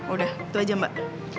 udah itu aja mbak